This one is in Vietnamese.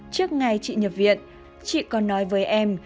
trước ngày chị nhập viện chị còn nói với em